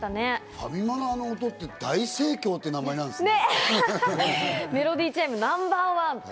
ファミマの音って『大盛況』って名前なんですね。